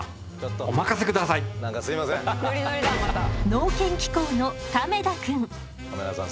農研機構の亀田くん。